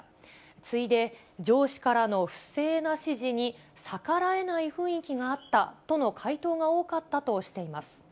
次いで上司からの不正な指示に逆らえない雰囲気があったとの回答が多かったとしています。